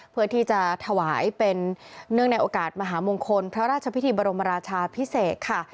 เพื่อที่จะถวายเป็นเนื่องในโอกาสมหามงคลพระราชพิธีบรมราชาพิเศษค่ะ